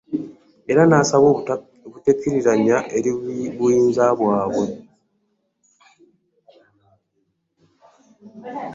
Era n'abasaba obutekkiriranya eri buyinza bwabwe.